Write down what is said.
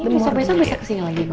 bisa besok bisa kesini lagi kok ya